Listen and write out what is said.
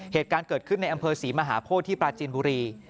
เหตุการณ์เกิดขึ้นในอำเภอศรีมหาโพธิที่ปราจีนบุรี